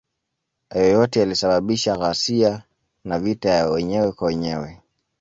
Hayo yote yalisababisha ghasia na vita ya wenyewe kwa wenyewe.